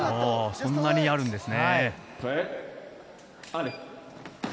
そんなにあるんですね。